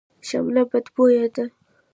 شمله بدبویه ده.